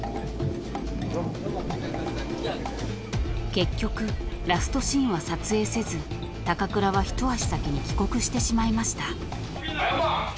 ［結局ラストシーンは撮影せず高倉は一足先に帰国してしまいました］